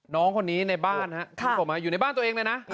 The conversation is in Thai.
น้องคนนี้ในบ้านอยู่ในบ้านตัวเองเลยนะ